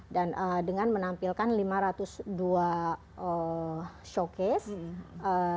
dan dengan menampilkan lima ratus dua showcase